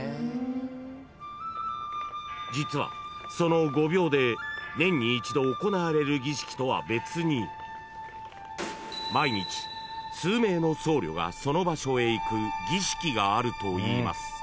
［実はその御廟で年に一度行われる儀式とは別に毎日数名の僧侶がその場所へ行く儀式があるといいます］